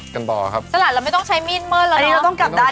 คนต้องภาพไปทานที่ไหนอยากแบบ